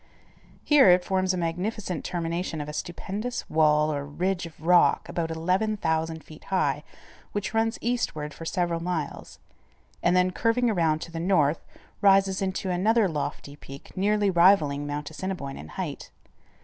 Here it forms a magnificent termination of a stupendous wall or ridge of rock, about 11,000 feet high, which runs eastward for several miles, and then curving around to the north, rises into another lofty peak nearly rivalling Mount Assiniboine in height.